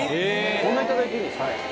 こんなに頂いていいんですか。